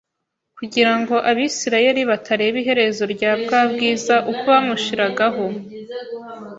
kugira ngo Abisirayeli batareba iherezo rya bwa bwiza uko bwamushiragaho